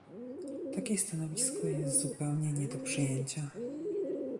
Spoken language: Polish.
Takie stanowisko jest zupełnie nie do przyjęcia